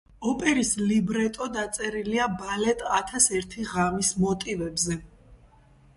ოპერის ლიბრეტო დაწერილია ბალეტ „ათას ერთი ღამის“ მოტივებზე.